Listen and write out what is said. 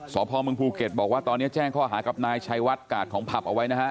สพมภูเก็ตบอกว่าตอนนี้แจ้งข้อหากับนายชัยวัดกาดของผับเอาไว้นะฮะ